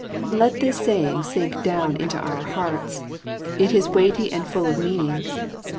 Let this saying sink down into our hearts. It is weighty and full of meaning.